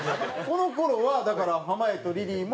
この頃はだから濱家とリリーも。